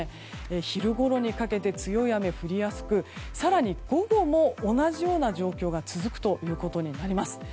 昼ごろにかけて強い雨が降りやすく更に午後も同じような状況が続くことになります。